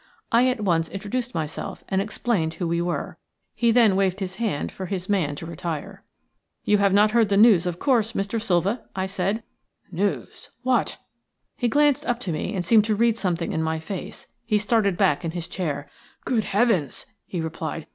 I at once introduced myself and explained who we were. He then waved his hand for his man to retire. "You have heard the news, of course, Mr. Silva?" I said. "News! What?" He glanced up to me and seemed to read something in my face. He started back in his chair. "Good heavens!" he replied.